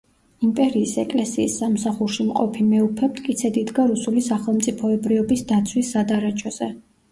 იმპერიის ეკლესიის სამსახურში მყოფი მეუფე მტკიცედ იდგა რუსული სახელმწიფოებრიობის დაცვის სადარაჯოზე.